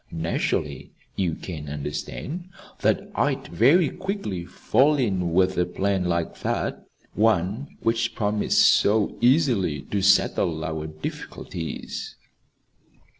Naturally, you can understand that I'd very quickly fall in with a plan like that one which promised so easily to settle our difficulties."